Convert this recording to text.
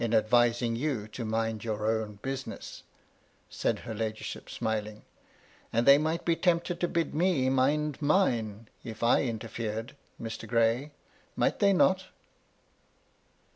49 advising you to mind your own business," — said her ladyship, smiling, — "and they might be tempted to bid me mind mme, if I interfered, Mr. Gray ; might they not?"